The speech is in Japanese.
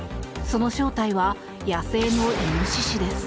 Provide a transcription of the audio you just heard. その正体は野生のイノシシです。